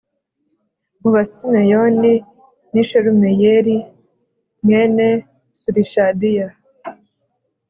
mu Basimeyoni ni Shelumiyeli mwene Surishadayi